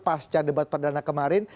pasca debat pendana kemarin